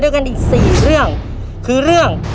สวัสดีครับ